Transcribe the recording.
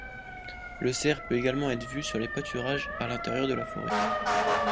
Le cerf peut également être vu sur les pâturages à l'intérieur de la forêt.